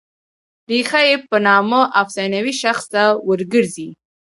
ریښه یې په نامه افسانوي شخص ته ور ګرځي.